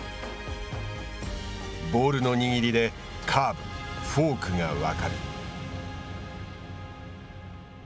ボールの握りでカーブフォークがわかる。